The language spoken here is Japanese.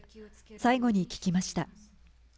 最後に聞きました。